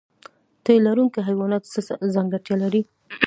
تی لرونکي حیوانات څه ځانګړتیا لري؟